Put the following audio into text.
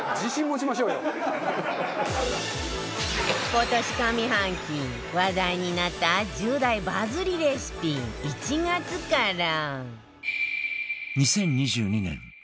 今年上半期話題になった１０大バズりレシピ１月から